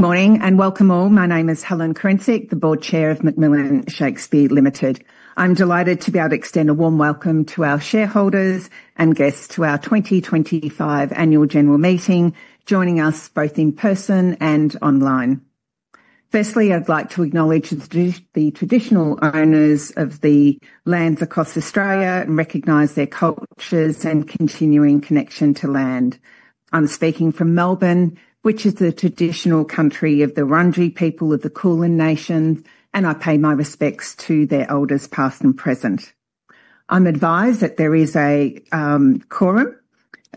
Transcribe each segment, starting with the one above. Good morning and welcome all. My name is Helen Kurincic, the Board Chair of McMillan Shakespeare. I'm delighted to be able to extend a warm welcome to our shareholders and guests to our 2025 Annual General Meeting, joining us both in person and online. Firstly, I'd like to acknowledge the traditional owners of the lands across Australia and recognize their cultures and continuing connection to land. I'm speaking from Melbourne, which is the traditional country of the Wurundjeri people of the Kulin Nation, and I pay my respects to their elders, past and present. I'm advised that there is a quorum,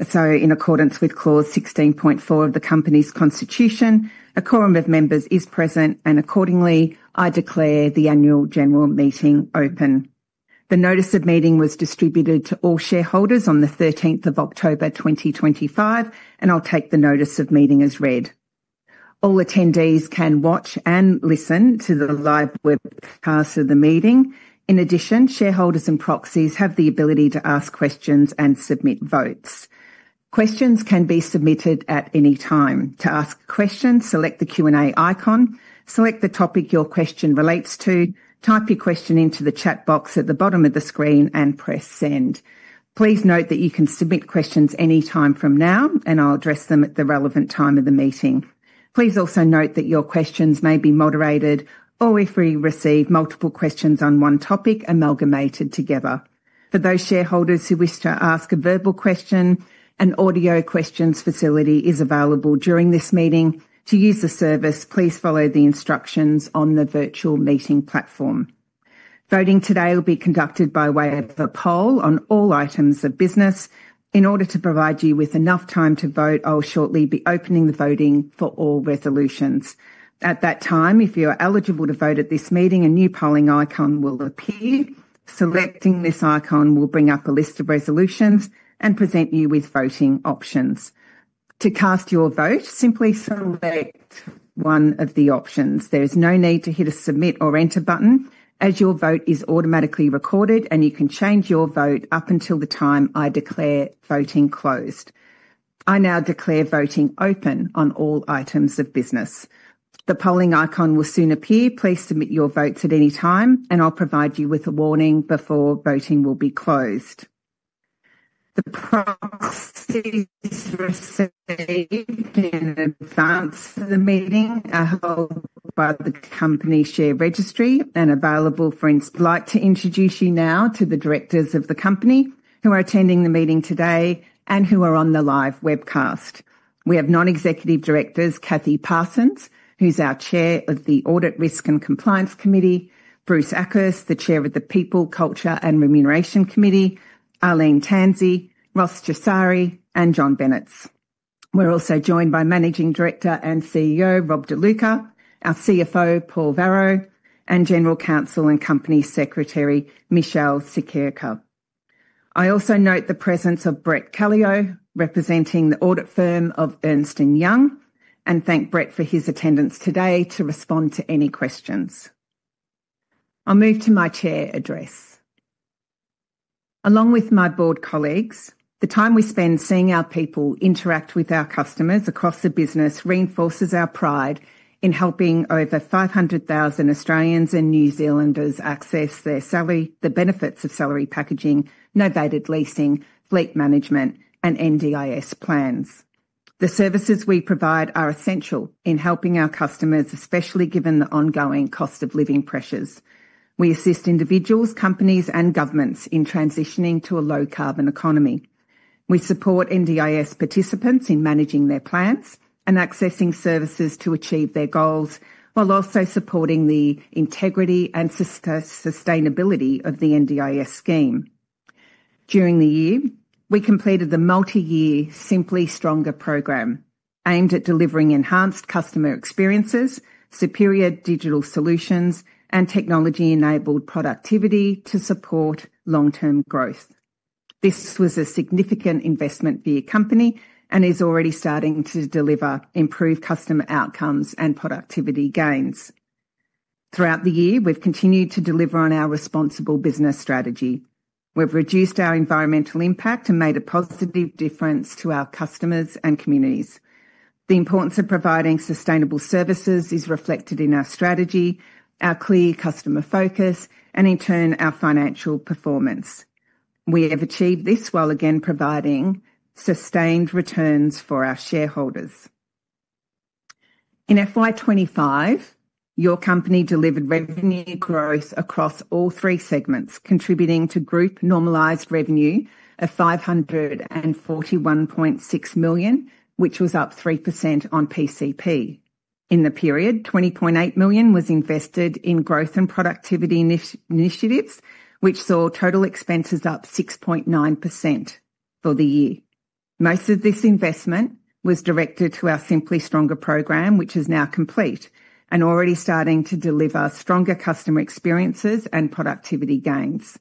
so in accordance with Clause 16.4 of the Company's Constitution, a quorum of members is present, and accordingly, I declare the Annual General Meeting open. The notice of meeting was distributed to all shareholders on the 13th of October 2025, and I'll take the notice of meeting as read. All attendees can watch and listen to the live webcast of the meeting. In addition, shareholders and proxies have the ability to ask questions and submit votes. Questions can be submitted at any time. To ask a question, select the Q&A icon, select the topic your question relates to, type your question into the chat box at the bottom of the screen, and press send. Please note that you can submit questions any time from now, and I'll address them at the relevant time of the meeting. Please also note that your questions may be moderated, or if we receive multiple questions on one topic, amalgamated together. For those shareholders who wish to ask a verbal question, an audio questions facility is available during this meeting. To use the service, please follow the instructions on the virtual meeting platform. Voting today will be conducted by way of a poll on all items of business. In order to provide you with enough time to vote, I'll shortly be opening the voting for all resolutions. At that time, if you are eligible to vote at this meeting, a new polling icon will appear. Selecting this icon will bring up a list of resolutions and present you with voting options. To cast your vote, simply select one of the options. There is no need to hit a submit or enter button, as your vote is automatically recorded, and you can change your vote up until the time I declare voting closed. I now declare voting open on all items of business. The polling icon will soon appear. Please submit your votes at any time, and I'll provide you with a warning before voting will be closed. The proxies received in advance of the meeting are held by the Company share registry and available for. I'd like to introduce you now to the directors of the Company who are attending the meeting today and who are on the live webcast. We have non-executive directors, Kathy Parsons, who's our Chair of the Audit Risk and Compliance Committee, Bruce Akhurst, the Chair of the People, Culture and Remuneration Committee, Arlene Tanzi, Ross Jasari, and John Bennetts. We're also joined by Managing Director and CEO, Rob De Luca, our CFO, Paul Varro, and General Counsel and Company Secretary, Michelle Sukirka. I also note the presence of Brett Kallio, representing the audit firm of Ernst & Young, and thank Brett for his attendance today to respond to any questions. I'll move to my Chair address. Along with my board colleagues, the time we spend seeing our people interact with our customers across the business reinforces our pride in helping over 500,000 Australians and New Zealanders access the benefits of salary packaging, novated leasing, fleet management, and NDIS plans. The services we provide are essential in helping our customers, especially given the ongoing cost of living pressures. We assist individuals, companies, and governments in transitioning to a low carbon economy. We support NDIS participants in managing their plans and accessing services to achieve their goals, while also supporting the integrity and sustainability of the NDIS scheme. During the year, we completed the multi-year Simply Stronger program, aimed at delivering enhanced customer experiences, superior digital solutions, and technology-enabled productivity to support long-term growth. This was a significant investment for your company and is already starting to deliver improved customer outcomes and productivity gains. Throughout the year, we've continued to deliver on our responsible business strategy. We've reduced our environmental impact and made a positive difference to our customers and communities. The importance of providing sustainable services is reflected in our strategy, our clear customer focus, and in turn, our financial performance. We have achieved this while again providing sustained returns for our shareholders. In FY2025, your company delivered revenue growth across all three segments, contributing to group normalized revenue of AUD 541.6 million, which was up 3% on PCP. In the period, AUD 20.8 million was invested in growth and productivity initiatives, which saw total expenses up 6.9% for the year. Most of this investment was directed to our Simply Stronger program, which is now complete and already starting to deliver stronger customer experiences and productivity gains.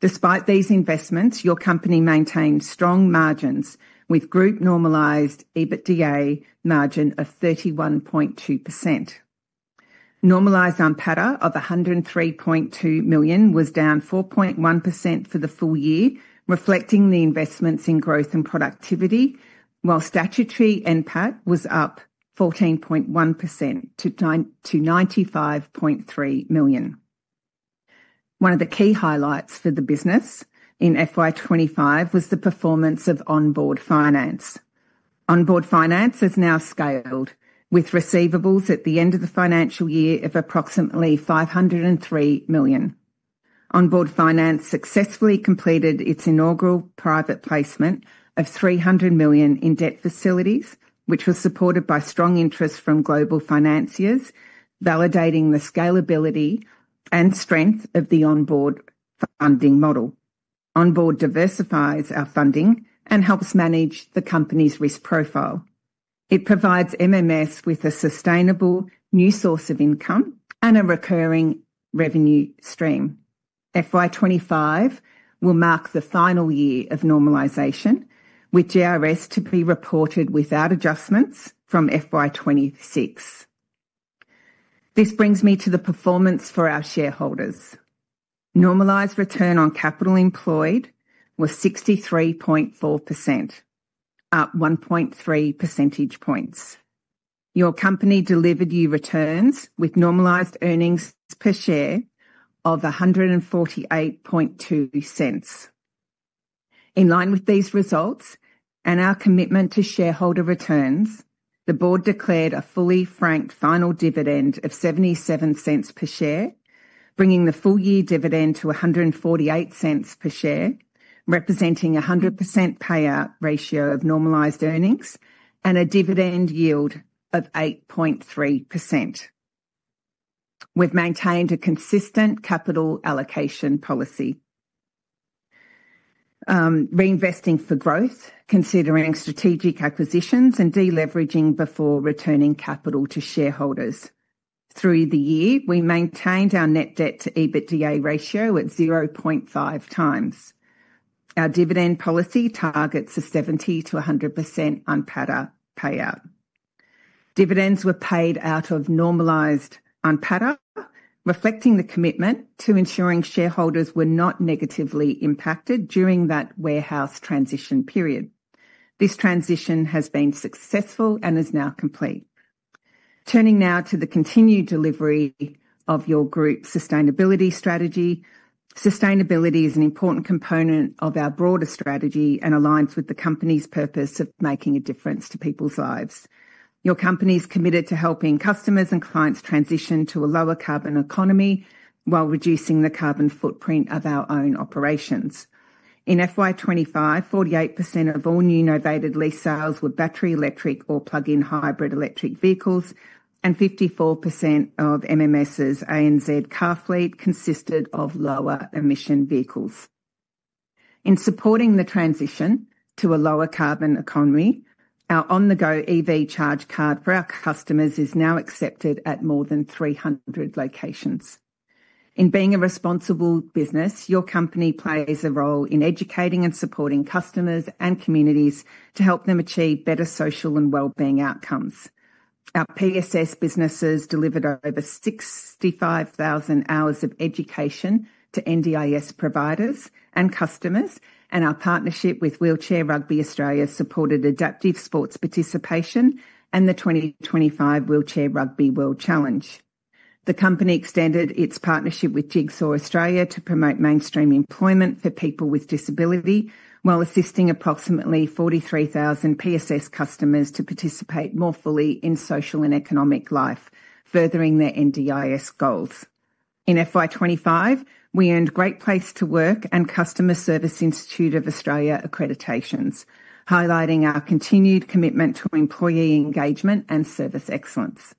Despite these investments, your company maintained strong margins with group normalized EBITDA margin of 31.2%. Normalized NPAT of 103.2 million was down 4.1% for the full year, reflecting the investments in growth and productivity, while statutory NPAT was up 14.1% to 95.3 million. One of the key highlights for the business in FY25 was the performance of onboard finance. Onboard finance has now scaled, with receivables at the end of the financial year of approximately 503 million. Onboard finance successfully completed its inaugural private placement of 300 million in debt facilities, which was supported by strong interest from global financiers, validating the scalability and strength of the onboard funding model. Onboard diversifies our funding and helps manage the company's risk profile. It provides MMS with a sustainable new source of income and a recurring revenue stream. FY2025 will mark the final year of normalization, with GRS to be reported without adjustments from FY2026. This brings me to the performance for our shareholders. Normalized return on capital employed was 63.4%, up 1.3 percentage points. Your company delivered you returns with normalized earnings per share of 1.482. In line with these results and our commitment to shareholder returns, the board declared a fully franked final dividend of 0.77 per share, bringing the full year dividend to 1.48 per share, representing a 100% payout ratio of normalized earnings and a dividend yield of 8.3%. We've maintained a consistent capital allocation policy, reinvesting for growth, considering strategic acquisitions and deleveraging before returning capital to shareholders. Through the year, we maintained our net debt to EBITDA ratio at 0.5x. Our dividend policy targets a 70%-100% NPAT payout. Dividends were paid out of normalized NPAT, reflecting the commitment to ensuring shareholders were not negatively impacted during that warehouse transition period. This transition has been successful and is now complete. Turning now to the continued delivery of your group's sustainability strategy. Sustainability is an important component of our broader strategy and aligns with the company's purpose of making a difference to people's lives. Your company is committed to helping customers and clients transition to a lower carbon economy while reducing the carbon footprint of our own operations. In FY2025, 48% of all new novated lease sales were battery electric or plug-in hybrid electric vehicles, and 54% of MMS's ANZ car fleet consisted of lower emission vehicles. In supporting the transition to a lower carbon economy, our on-the-go EV charge card for our customers is now accepted at more than 300 locations. In being a responsible business, your company plays a role in educating and supporting customers and communities to help them achieve better social and well-being outcomes. Our PSS businesses delivered over 65,000 hours of education to NDIS providers and customers, and our partnership with Wheelchair Rugby Australia supported adaptive sports participation and the 2025 Wheelchair Rugby World Challenge. The company extended its partnership with Jigsaw Australia to promote mainstream employment for people with disability, while assisting approximately 43,000 PSS customers to participate more fully in social and economic life, furthering their NDIS goals. In FY25, we earned Great Place to Work and Customer Service Institute of Australia accreditations, highlighting our continued commitment to employee engagement and service excellence.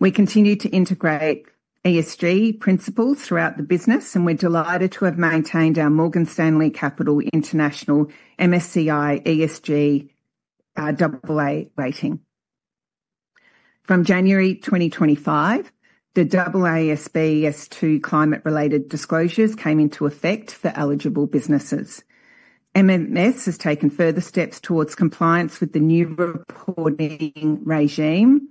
We continue to integrate ESG principles throughout the business, and we're delighted to have maintained our Morgan Stanley Capital International MSCI ESG AA rating. From January 2025, the AASB S2 climate-related disclosures came into effect for eligible businesses. MMS has taken further steps towards compliance with the new reporting regime,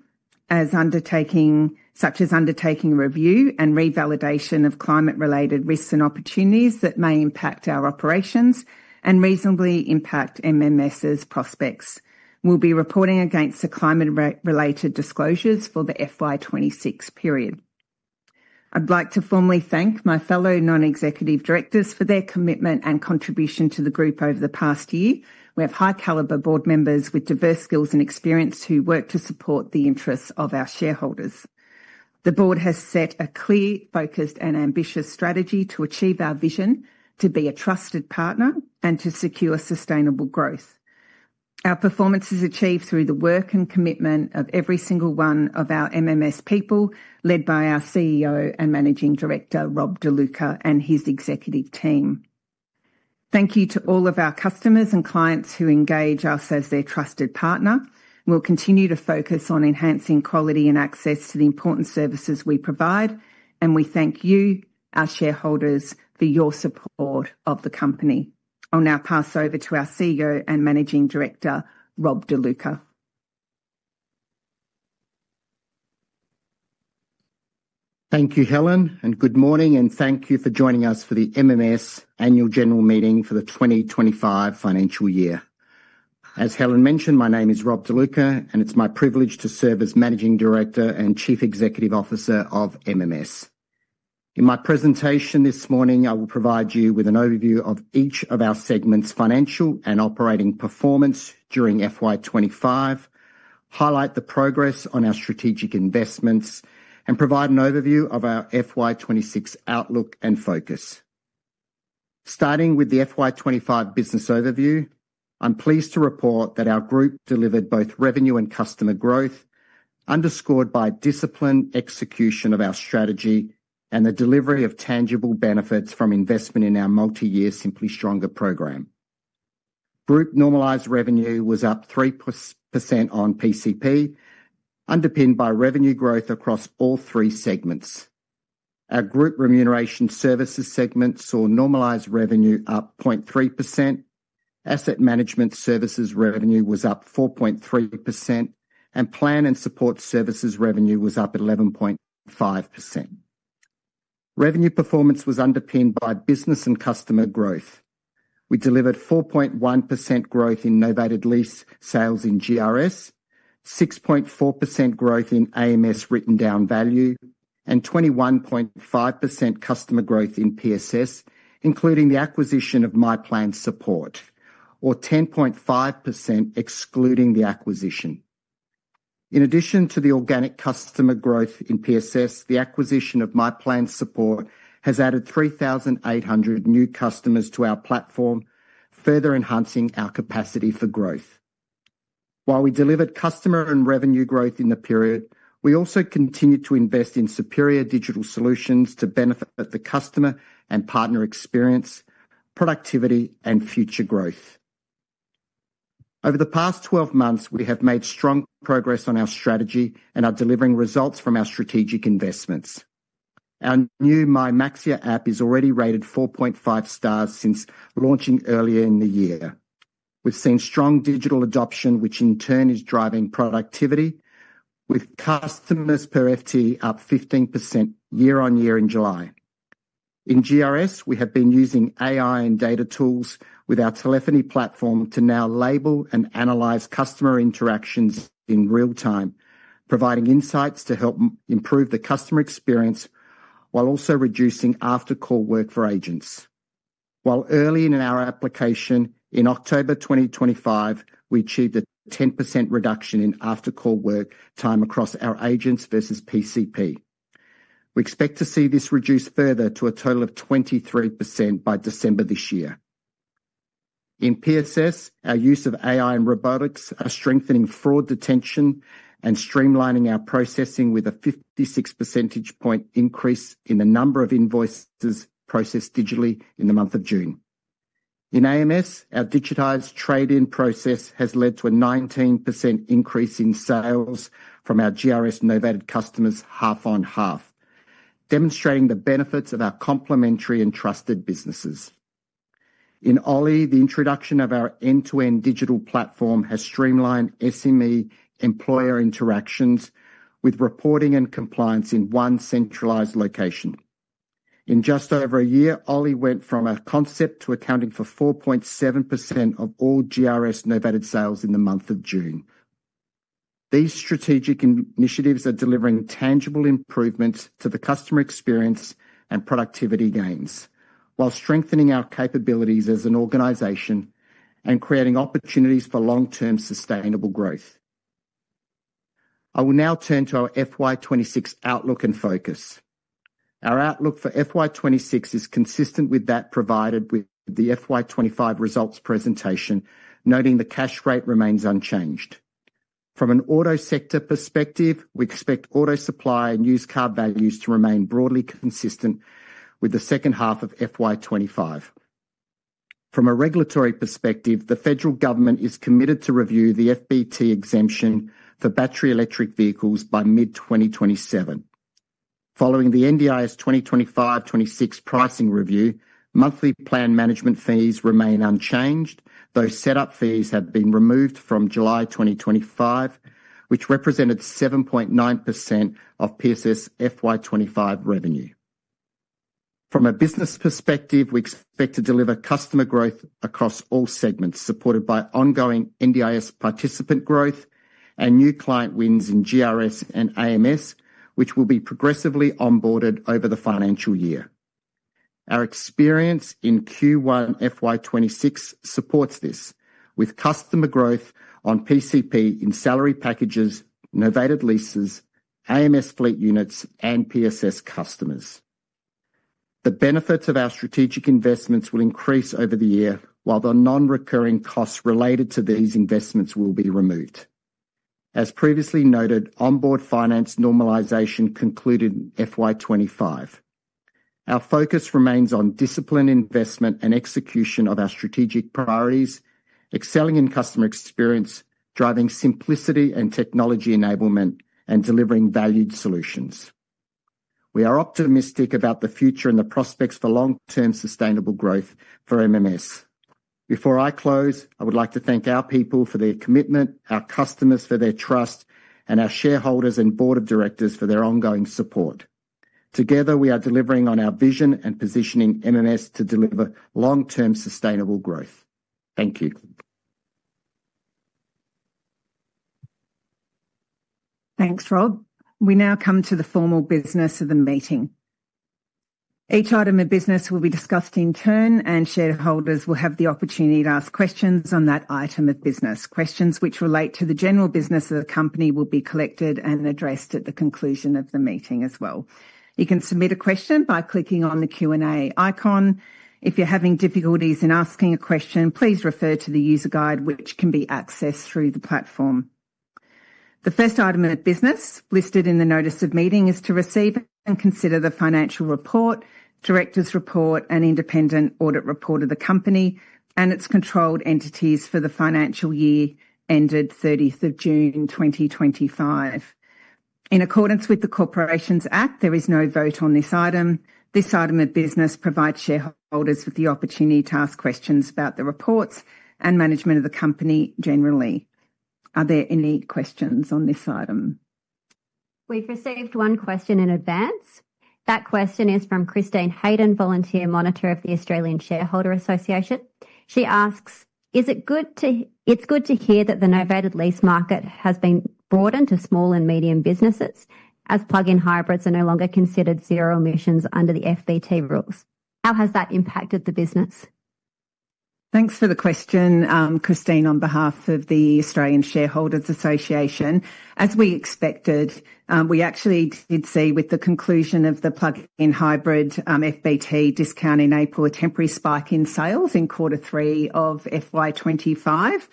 such as undertaking review and revalidation of climate-related risks and opportunities that may impact our operations and reasonably impact MMS's prospects. We'll be reporting against the climate-related disclosures for the FY26 period. I'd like to formally thank my fellow non-executive directors for their commitment and contribution to the group over the past year. We have high-caliber board members with diverse skills and experience who work to support the interests of our shareholders. The board has set a clear, focused, and ambitious strategy to achieve our vision, to be a trusted partner, and to secure sustainable growth. Our performance is achieved through the work and commitment of every single one of our MMS people, led by our CEO and Managing Director, Rob De Luca, and his executive team. Thank you to all of our customers and clients who engage us as their trusted partner. We will continue to focus on enhancing quality and access to the important services we provide, and we thank you, our shareholders, for your support of the company. I will now pass over to our CEO and Managing Director, Rob De Luca. Thank you, Helen, and good morning, and thank you for joining us for the MMS Annual General Meeting for the 2025 financial year. As Helen mentioned, my name is Rob De Luca, and it is my privilege to serve as Managing Director and Chief Executive Officer of MMS. In my presentation this morning, I will provide you with an overview of each of our segments' financial and operating performance during FY2025, highlight the progress on our strategic investments, and provide an overview of our FY2026 outlook and focus. Starting with the FY2025 business overview, I'm pleased to report that our group delivered both revenue and customer growth, underscored by disciplined execution of our strategy and the delivery of tangible benefits from investment in our multi-year Simply Stronger program. Group normalized revenue was up 3% on PCP, underpinned by revenue growth across all three segments. Our group remuneration services segment saw normalized revenue up 0.3%, asset management services revenue was up 4.3%, and plan and support services revenue was up 11.5%. Revenue performance was underpinned by business and customer growth. We delivered 4.1% growth in novated lease sales in GRS, 6.4% growth in AMS written down value, and 21.5% customer growth in PSS, including the acquisition of My Plan Support, or 10.5% excluding the acquisition. In addition to the organic customer growth in PSS, the acquisition of My Plan Support has added 3,800 new customers to our platform, further enhancing our capacity for growth. While we delivered customer and revenue growth in the period, we also continued to invest in superior digital solutions to benefit the customer and partner experience, productivity, and future growth. Over the past 12 months, we have made strong progress on our strategy and are delivering results from our strategic investments. Our new My Maxxia app is already rated 4.5 stars since launching earlier in the year. We've seen strong digital adoption, which in turn is driving productivity, with customers per FT up 15% year on year in July. In GRS, we have been using AI and data tools with our telephony platform to now label and analyze customer interactions in real time, providing insights to help improve the customer experience while also reducing after-call work for agents. While early in our application, in October 2023, we achieved a 10% reduction in after-call work time across our agents versus PCP. We expect to see this reduce further to a total of 23% by December this year. In PSS, our use of AI and robotics are strengthening fraud detection and streamlining our processing with a 56 percentage point increase in the number of invoices processed digitally in the month of June. In AMS, our digitized trade-in process has led to a 19% increase in sales from our GRS novated customers half on half, demonstrating the benefits of our complementary and trusted businesses. In Oly, the introduction of our end-to-end digital platform has streamlined SME employer interactions with reporting and compliance in one centralized location. In just over a year, Oly went from a concept to accounting for 4.7% of all GRS novated sales in the month of June. These strategic initiatives are delivering tangible improvements to the customer experience and productivity gains, while strengthening our capabilities as an organization and creating opportunities for long-term sustainable growth. I will now turn to our FY26 outlook and focus. Our outlook for FY26 is consistent with that provided with the FY25 results presentation, noting the cash rate remains unchanged. From an auto sector perspective, we expect auto supply and used car values to remain broadly consistent with the second half of FY25. From a regulatory perspective, the federal government is committed to review the FBT exemption for battery electric vehicles by mid-2027. Following the NDIS 2025-2026 pricing review, monthly plan management fees remain unchanged, though setup fees have been removed from July 2025, which represented 7.9% of PSS FY25 revenue. From a business perspective, we expect to deliver customer growth across all segments, supported by ongoing NDIS participant growth and new client wins in GRS and AMS, which will be progressively onboarded over the financial year. Our experience in Q1 FY26 supports this, with customer growth on PCP in salary packages, novated leases, AMS fleet units, and PSS customers. The benefits of our strategic investments will increase over the year, while the non-recurring costs related to these investments will be removed. As previously noted, onboard finance normalization concluded FY25. Our focus remains on disciplined investment and execution of our strategic priorities, excelling in customer experience, driving simplicity and technology enablement, and delivering valued solutions. We are optimistic about the future and the prospects for long-term sustainable growth for MMS. Before I close, I would like to thank our people for their commitment, our customers for their trust, and our shareholders and board of directors for their ongoing support. Together, we are delivering on our vision and positioning MMS to deliver long-term sustainable growth. Thank you. Thanks, Rob. We now come to the formal business of the meeting. Each item of business will be discussed in turn, and shareholders will have the opportunity to ask questions on that item of business. Questions which relate to the general business of the company will be collected and addressed at the conclusion of the meeting as well. You can submit a question by clicking on the Q&A icon. If you're having difficulties in asking a question, please refer to the user guide, which can be accessed through the platform. The first item of business listed in the notice of meeting is to receive and consider the financial report, director's report, and independent audit report of the company and its controlled entities for the financial year ended 30 June 2025. In accordance with the Corporations Act, there is no vote on this item. This item of business provides shareholders with the opportunity to ask questions about the reports and management of the company generally. Are there any questions on this item? We've received one question in advance. That question is from Christine Hayden, Volunteer Monitor of the Australian Shareholders Association. She asks, "Is it good to hear that the novated lease market has been broadened to small and medium businesses as plug-in hybrids are no longer considered zero emissions under the FBT rules? How has that impacted the business?" Thanks for the question, Christine, on behalf of the Australian Shareholders Association. As we expected, we actually did see with the conclusion of the plug-in hybrid FBT discount in April a temporary spike in sales in Q3 of FY2025.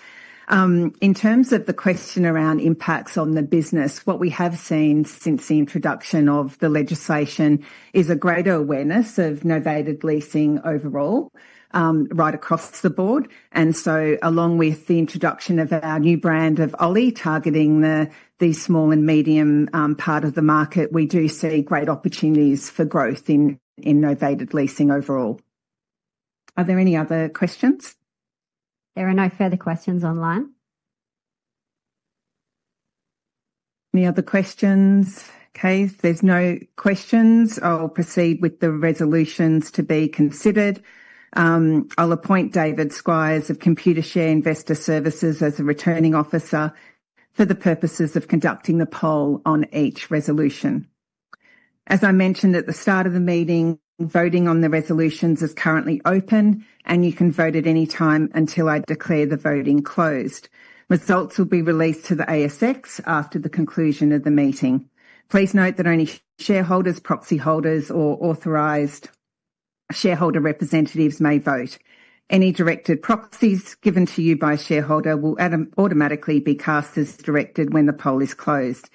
In terms of the question around impacts on the business, what we have seen since the introduction of the legislation is a greater awareness of novated leasing overall right across the board. Along with the introduction of our new brand of Oly targeting the small and medium part of the market, we do see great opportunities for growth in novated leasing overall. Are there any other questions? There are no further questions online. Any other questions? Okay, if there's no questions, I'll proceed with the resolutions to be considered. I'll appoint David Squires of Computershare Investor Services as a returning officer for the purposes of conducting the poll on each resolution. As I mentioned at the start of the meeting, voting on the resolutions is currently open, and you can vote at any time until I declare the voting closed. Results will be released to the ASX after the conclusion of the meeting. Please note that only shareholders, proxy holders, or authorized shareholder representatives may vote. Any directed proxies given to you by a shareholder will automatically be cast as directed when the poll is closed.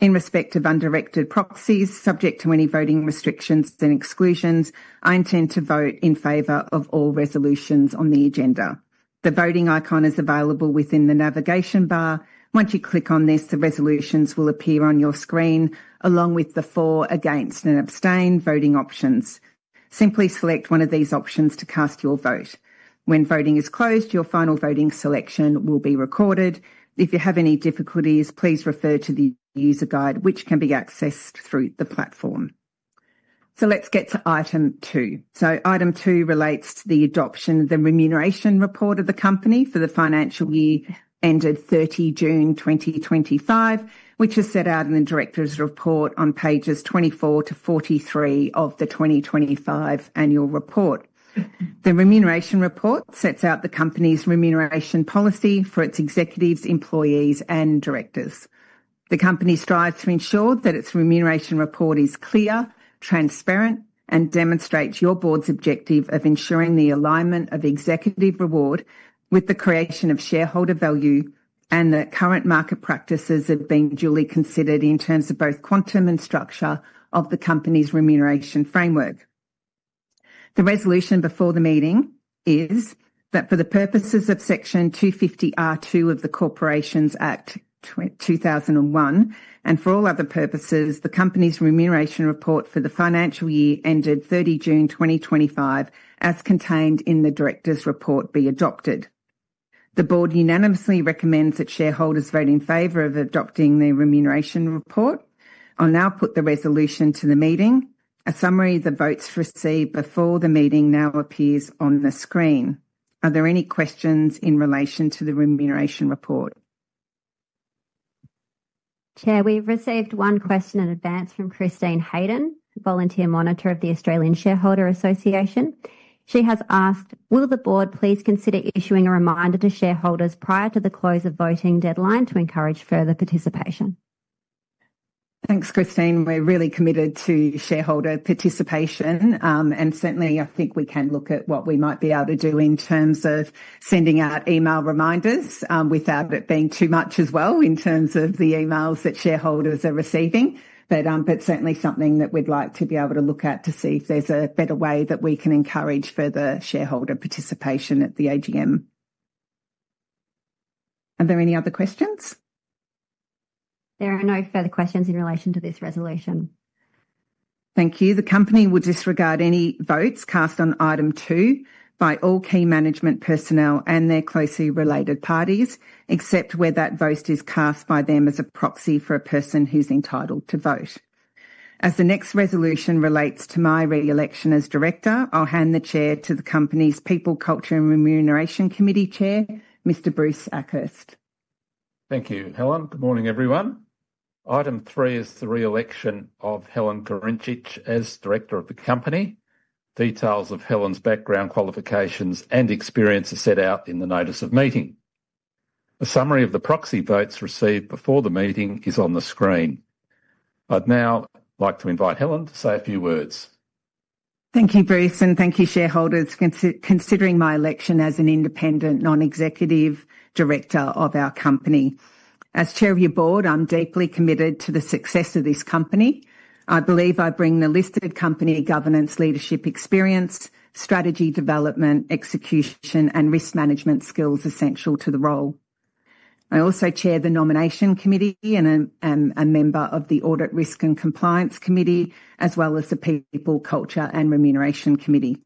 In respect of undirected proxies, subject to any voting restrictions and exclusions, I intend to vote in favor of all resolutions on the agenda. The voting icon is available within the navigation bar. Once you click on this, the resolutions will appear on your screen along with the for, against, and abstain voting options. Simply select one of these options to cast your vote. When voting is closed, your final voting selection will be recorded. If you have any difficulties, please refer to the user guide, which can be accessed through the platform. Let's get to item two. Item two relates to the adoption of the remuneration report of the company for the financial year ended 30 June 2025, which is set out in the directors' report on pages 24 to 43 of the 2025 annual report. The remuneration report sets out the company's remuneration policy for its executives, employees, and directors. The company strives to ensure that its remuneration report is clear, transparent, and demonstrates your board's objective of ensuring the alignment of executive reward with the creation of shareholder value and the current market practices have been duly considered in terms of both quantum and structure of the company's remuneration framework. The resolution before the meeting is that for the purposes of Section 250(a)(2) of the Corporations Act 2001 and for all other purposes, the company's remuneration report for the financial year ended 30 June 2025, as contained in the director's report, be adopted. The board unanimously recommends that shareholders vote in favor of adopting the remuneration report. I'll now put the resolution to the meeting. A summary of the votes received before the meeting now appears on the screen. Are there any questions in relation to the remuneration report? Chair, we've received one question in advance from Christine Hayden, Volunteer Monitor of the Australian Shareholders Association. She has asked, "Will the board please consider issuing a reminder to shareholders prior to the close of voting deadline to encourage further participation?" Thanks, Christine. We're really committed to shareholder participation, and certainly I think we can look at what we might be able to do in terms of sending out email reminders without it being too much as well in terms of the emails that shareholders are receiving. Certainly something that we'd like to be able to look at to see if there's a better way that we can encourage further shareholder participation at the AGM. Are there any other questions? There are no further questions in relation to this resolution. Thank you. The company will disregard any votes cast on item two by all key management personnel and their closely related parties, except where that vote is cast by them as a proxy for a person who's entitled to vote. As the next resolution relates to my reelection as director, I'll hand the chair to the company's People, Culture and Remuneration Committee Chair, Mr. Bruce Akhurst. Thank you, Helen. Good morning, everyone. Item three is the reelection of Helen Kurincic as director of the company. Details of Helen's background, qualifications, and experience are set out in the notice of meeting. A summary of the proxy votes received before the meeting is on the screen. I'd now like to invite Helen to say a few words. Thank you, Bruce, and thank you, shareholders, for considering my election as an independent, non-executive director of our company. As Chair of your board, I'm deeply committed to the success of this company. I believe I bring the listed company governance, leadership experience, strategy development, execution, and risk management skills essential to the role. I also am Chair of the Nomination Committee and am a member of the Audit Risk and Compliance Committee, as well as the People, Culture and Remuneration Committee.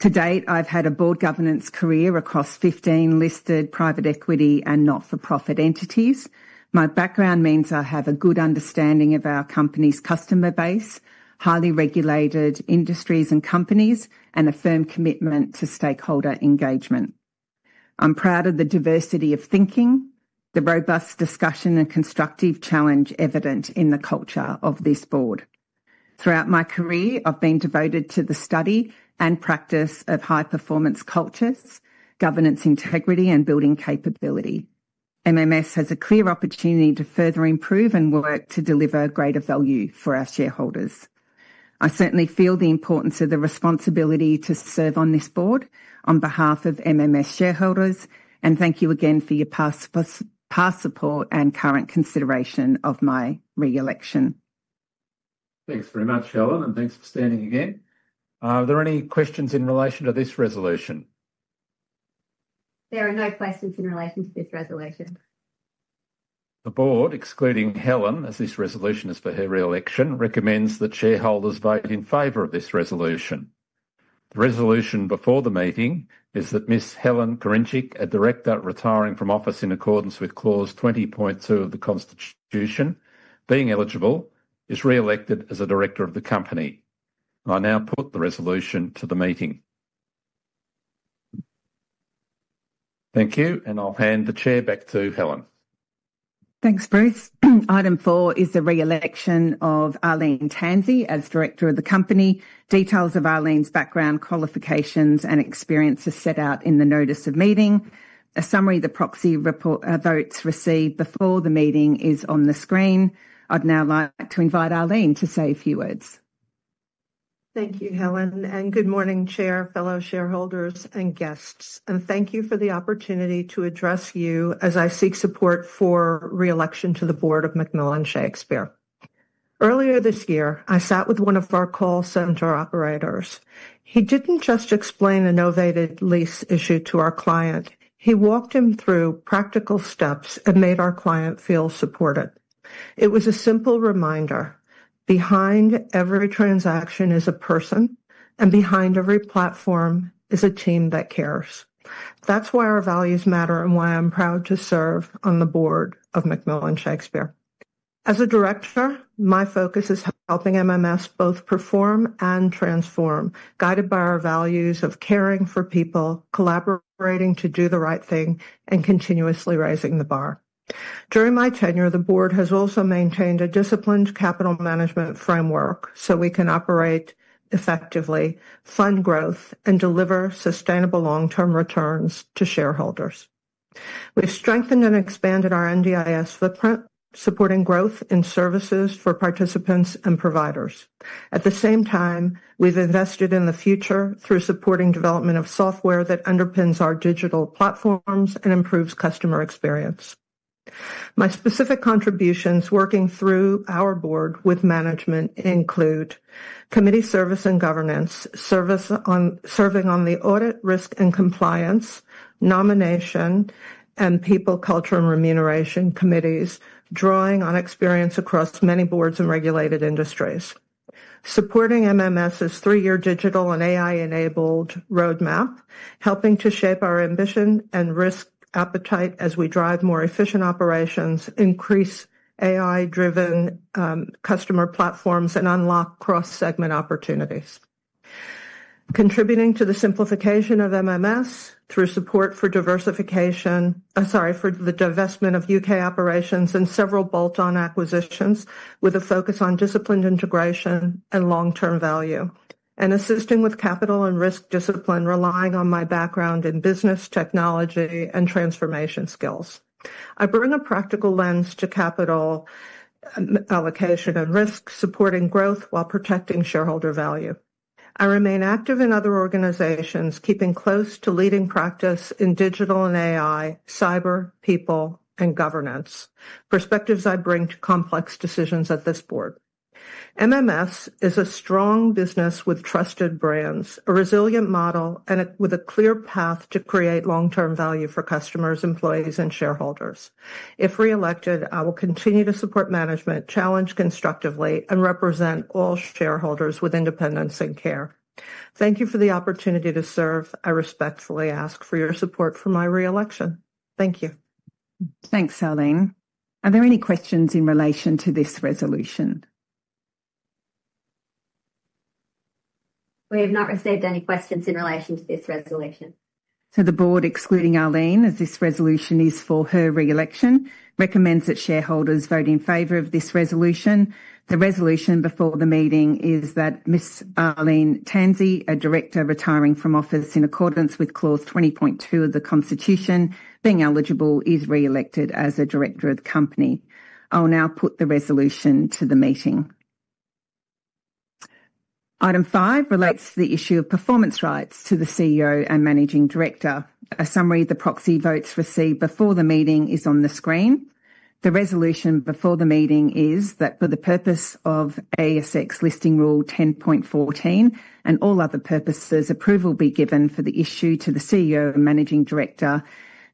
To date, I've had a board governance career across 15 listed, private equity, and not-for-profit entities. My background means I have a good understanding of our company's customer base, highly regulated industries and companies, and a firm commitment to stakeholder engagement. I'm proud of the diversity of thinking, the robust discussion, and constructive challenge evident in the culture of this board. Throughout my career, I've been devoted to the study and practice of high-performance cultures, governance integrity, and building capability. MMS has a clear opportunity to further improve and work to deliver greater value for our shareholders. I certainly feel the importance of the responsibility to serve on this board on behalf of MMS shareholders, and thank you again for your past support and current consideration of my reelection. Thanks very much, Helen, and thanks for standing again. Are there any questions in relation to this resolution? There are no questions in relation to this resolution. The board, excluding Helen, as this resolution is for her reelection, recommends that shareholders vote in favor of this resolution. The resolution before the meeting is that Ms. Helen Kurincic, a director retiring from office in accordance with Clause 20.2 of the Constitution, being eligible, is reelected as a director of the company. I now put the resolution to the meeting. Thank you, and I'll hand the chair back to Helen. Thanks, Bruce. Item four is the reelection of Arlene Tanzi as director of the company. Details of Arlene's background, qualifications, and experience are set out in the notice of meeting. A summary of the proxy votes received before the meeting is on the screen. I'd now like to invite Arlene to say a few words. Thank you, Helen, and good morning, Chair, fellow shareholders, and guests. Thank you for the opportunity to address you as I seek support for reelection to the board of McMillan Shakespeare. Earlier this year, I sat with one of our call center operators. He didn't just explain a novated lease issue to our client. He walked him through practical steps and made our client feel supported. It was a simple reminder. Behind every transaction is a person, and behind every platform is a team that cares. That's why our values matter and why I'm proud to serve on the board of McMillan Shakespeare. As a director, my focus is helping MMS both perform and transform, guided by our values of caring for people, collaborating to do the right thing, and continuously raising the bar. During my tenure, the board has also maintained a disciplined capital management framework so we can operate effectively, fund growth, and deliver sustainable long-term returns to shareholders. We've strengthened and expanded our NDIS footprint, supporting growth in services for participants and providers. At the same time, we've invested in the future through supporting development of software that underpins our digital platforms and improves customer experience. My specific contributions working through our board with management include committee service and governance, serving on the Audit, Risk, and Compliance, Nomination, and People, Culture, and Remuneration Committees, drawing on experience across many boards and regulated industries. Supporting MMS's three-year digital and AI-enabled roadmap, helping to shape our ambition and risk appetite as we drive more efficient operations, increase AI-driven customer platforms, and unlock cross-segment opportunities. Contributing to the simplification of MMS through support for diversification—sorry, for the divestment of U.K. operations and several bolt-on acquisitions with a focus on disciplined integration and long-term value, and assisting with capital and risk discipline, relying on my background in business, technology, and transformation skills. I bring a practical lens to capital allocation and risk, supporting growth while protecting shareholder value. I remain active in other organizations, keeping close to leading practice in digital and AI, cyber, people, and governance, perspectives I bring to complex decisions at this board. MMS is a strong business with trusted brands, a resilient model, and with a clear path to create long-term value for customers, employees, and shareholders. If reelected, I will continue to support management, challenge constructively, and represent all shareholders with independence and care. Thank you for the opportunity to serve. I respectfully ask for your support for my reelection. Thank you. Thanks, Helen. Are there any questions in relation to this resolution? We have not received any questions in relation to this resolution. The board, excluding Arlene, as this resolution is for her reelection, recommends that shareholders vote in favor of this resolution. The resolution before the meeting is that Ms. Arlene Tanzi, a director retiring from office in accordance with Clause 20.2 of the Constitution, being eligible, is reelected as a director of the company. I'll now put the resolution to the meeting. Item five relates to the issue of performance rights to the CEO and managing director. A summary of the proxy votes received before the meeting is on the screen. The resolution before the meeting is that for the purpose of ASX Listing Rule 10.14 and all other purposes, approval be given for the issue to the CEO and Managing Director,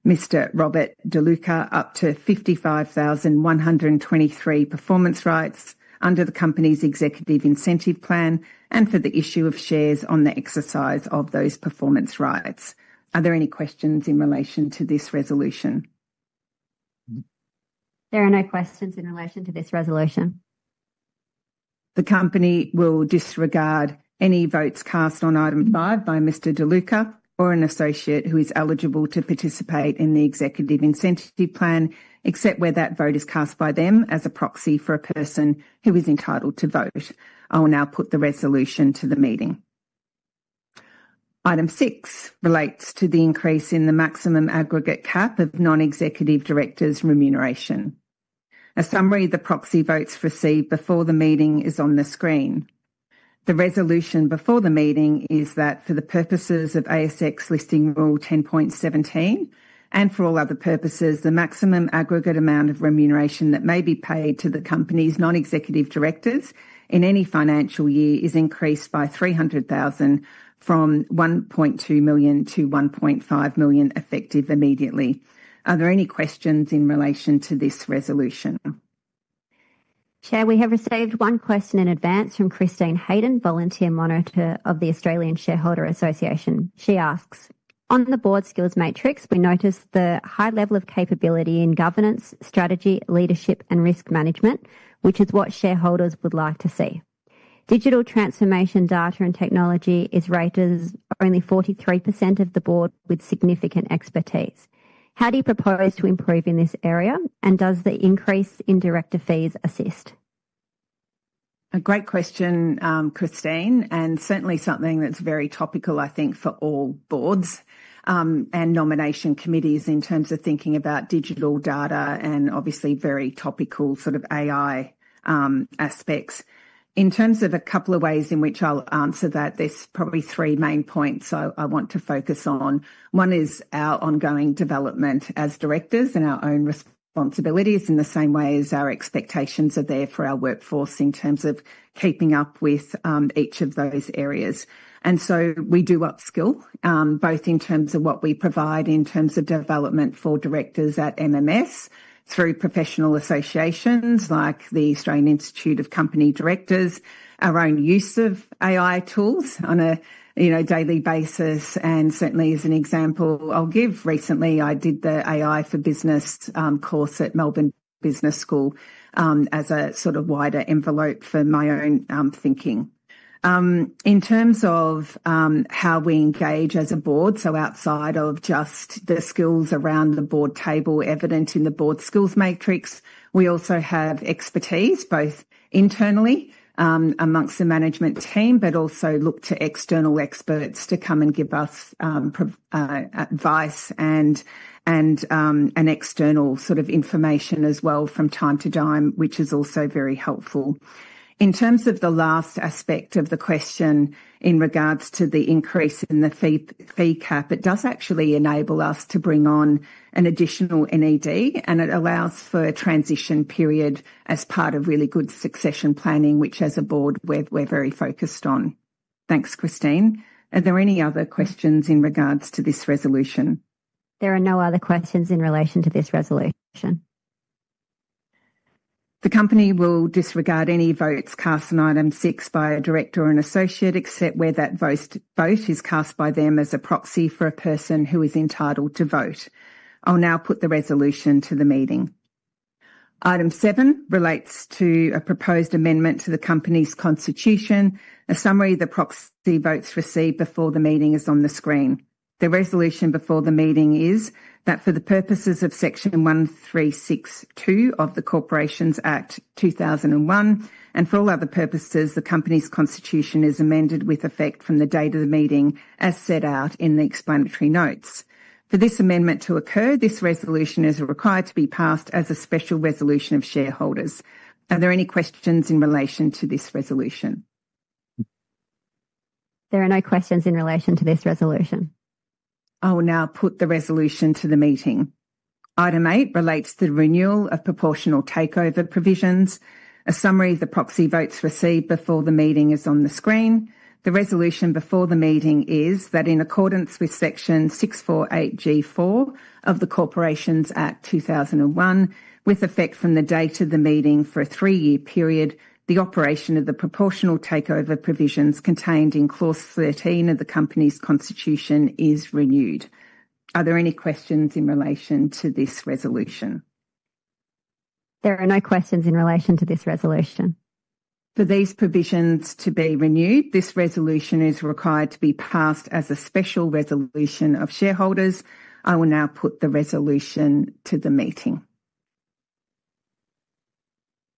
Mr. Rob De Luca, up to 55,123 performance rights under the company's executive incentive plan and for the issue of shares on the exercise of those performance rights. Are there any questions in relation to this resolution? There are no questions in relation to this resolution. The company will disregard any votes cast on item five by Mr. De Luca or an associate who is eligible to participate in the executive incentive plan, except where that vote is cast by them as a proxy for a person who is entitled to vote. I will now put the resolution to the meeting. Item six relates to the increase in the maximum aggregate cap of non-executive directors' remuneration. A summary of the proxy votes received before the meeting is on the screen. The resolution before the meeting is that for the purposes of ASX Listing Rule 10.17 and for all other purposes, the maximum aggregate amount of remuneration that may be paid to the company's non-executive directors in any financial year is increased by 300,000 from 1.2 million to 1.5 million effective immediately. Are there any questions in relation to this resolution? Chair, we have received one question in advance from Christine Hayden, Volunteer Monitor of the Australian Shareholders Association. She asks, "On the board skills matrix, we notice the high level of capability in governance, strategy, leadership, and risk management, which is what shareholders would like to see. Digital transformation, data, and technology is rated as only 43% of the board with significant expertise. How do you propose to improve in this area, and does the increase in director fees assist? A great question, Christine, and certainly something that's very topical, I think, for all boards and nomination committees in terms of thinking about digital data and obviously very topical sort of AI aspects. In terms of a couple of ways in which I'll answer that, there's probably three main points I want to focus on. One is our ongoing development as directors and our own responsibilities in the same way as our expectations are there for our workforce in terms of keeping up with each of those areas. We do upskill both in terms of what we provide in terms of development for directors at MMS through professional associations like the Australian Institute of Company Directors, our own use of AI tools on a daily basis, and certainly as an example I'll give, recently I did the AI for Business course at Melbourne Business School as a sort of wider envelope for my own thinking. In terms of how we engage as a board, outside of just the skills around the board table evident in the board skills matrix, we also have expertise both internally amongst the management team, but also look to external experts to come and give us advice and external sort of information as well from time to time, which is also very helpful. In terms of the last aspect of the question in regards to the increase in the fee cap, it does actually enable us to bring on an additional NED, and it allows for a transition period as part of really good succession planning, which as a board we're very focused on. Thanks, Christine. Are there any other questions in regards to this resolution? There are no other questions in relation to this resolution. The company will disregard any votes cast on item six by a director or an associate except where that vote is cast by them as a proxy for a person who is entitled to vote. I'll now put the resolution to the meeting. Item seven relates to a proposed amendment to the company's constitution. A summary of the proxy votes received before the meeting is on the screen. The resolution before the meeting is that for the purposes of Section 1362 of the Corporations Act 2001 and for all other purposes, the company's constitution is amended with effect from the date of the meeting as set out in the explanatory notes. For this amendment to occur, this resolution is required to be passed as a special resolution of shareholders. Are there any questions in relation to this resolution? There are no questions in relation to this resolution. I will now put the resolution to the meeting. Item eight relates to the renewal of proportional takeover provisions. A summary of the proxy votes received before the meeting is on the screen. The resolution before the meeting is that in accordance with Section 648G4 of the Corporations Act 2001, with effect from the date of the meeting for a three-year period, the operation of the proportional takeover provisions contained in Clause 13 of the company's constitution is renewed. Are there any questions in relation to this resolution? There are no questions in relation to this resolution. For these provisions to be renewed, this resolution is required to be passed as a special resolution of shareholders. I will now put the resolution to the meeting.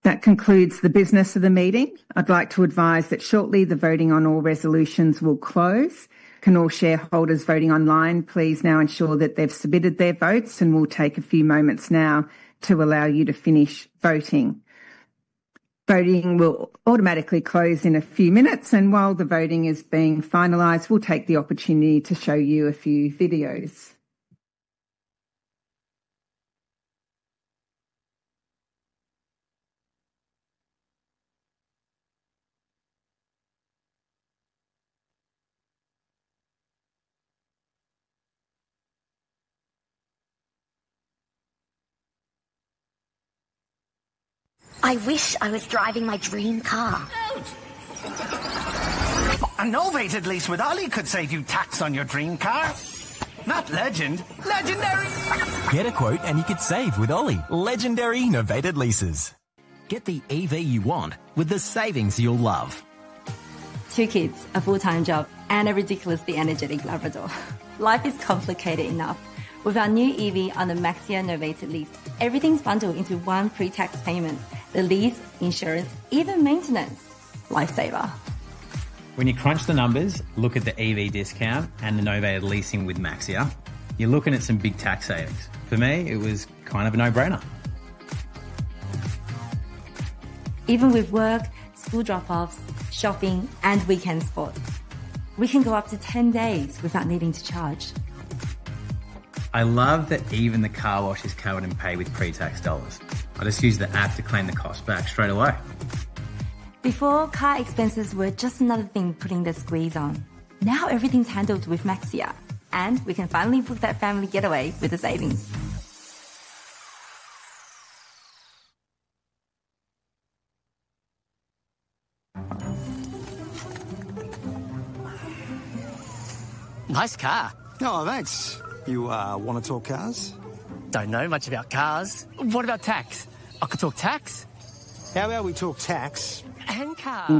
That concludes the business of the meeting. I'd like to advise that shortly the voting on all resolutions will close. Can all shareholders voting online, please now ensure that they've submitted their votes, and we'll take a few moments now to allow you to finish voting. Voting will automatically close in a few minutes, and while the voting is being finalized, we'll take the opportunity to show you a few videos. I wish I was driving my dream car. A novated lease with Oly could save you tax on your dream car. Not legend, legendary. Get a quote and you can save with Oly. Legendary novated leases. Get the EV you want with the savings you'll love. Two kids, a full-time job, and a ridiculously energetic Labrador. Life is complicated enough. With our new EV on the Maxxia novated lease, everything's bundled into one pre-tax payment. The lease, insurance, even maintenance. Lifesaver. When you crunch the numbers, look at the EV discount and the novated leasing with Maxxia, you're looking at some big tax savings. For me, it was kind of a no-brainer. Even with work, school drop-offs, shopping, and weekend sports, we can go up to 10 days without needing to charge. I love that even the car wash is covered and paid with pre-tax dollars. I just use the app to claim the cost back straight away. Before, car expenses were just another thing putting the squeeze on. Now everything's handled with Maxxia, and we can finally book that family getaway with the savings. Nice car. Oh, thanks. You want to talk cars? Don't know much about cars. What about tax? I could talk tax. How about we talk tax? And cars.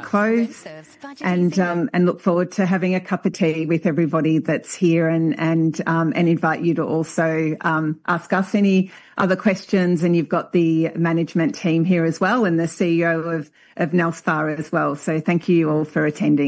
And close. I look forward to having a cup of tea with everybody that's here and invite you to also ask us any other questions. You've got the management team here as well and the CEO of McMillan Shakespeare as well. Thank you all for attending.